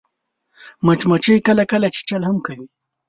مچمچۍ کله کله چیچل هم کوي